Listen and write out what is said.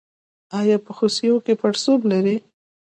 ایا په خصیو کې پړسوب لرئ؟